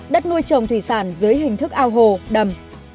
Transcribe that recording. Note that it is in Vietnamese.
đất nuôi trồng thủy sản dưới hình thức ao hồ đầm